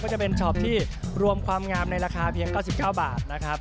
จะเป็นช็อปที่รวมความงามในราคาเพียง๙๙บาทนะครับ